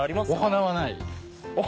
花はない。